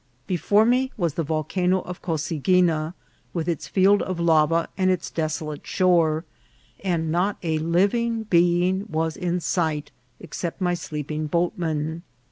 Before me was the Volcano of Cosaguina, with its field of lava and its desolate shore, and not a living being was in sight except my sleeping boatmen.